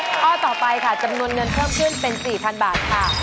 ข้อต่อไปค่ะจำนวนเงินเพิ่มขึ้นเป็น๔๐๐๐บาทค่ะ